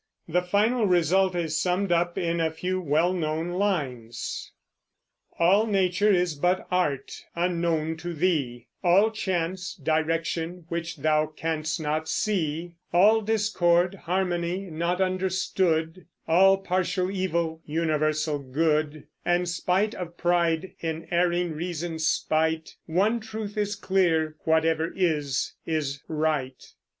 The final result is summed up in a few well known lines: All nature is but art, unknown to thee; All chance, direction which thou canst not see; All discord, harmony not understood; All partial evil, universal good: And, spite of pride, in erring reason's spite, One truth is clear, whatever is, is right.